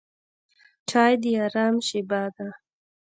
چای د آرام شېبه ده.